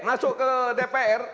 masuk ke dpr